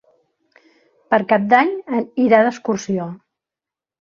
Per Cap d'Any irà d'excursió.